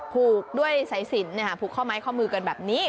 ภูกด้วยสายสินนะฮะภูกเข้าไม้เข้ามือเกินแบบนี้